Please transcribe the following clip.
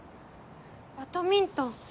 バドミントン。